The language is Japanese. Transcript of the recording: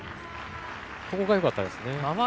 ここがよかったです。